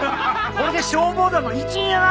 これで消防団の一員やな！